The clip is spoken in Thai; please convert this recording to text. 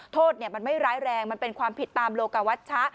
โทษมันไม่ร้ายแรงมันเป็นความผิดตามโลกวัชชะ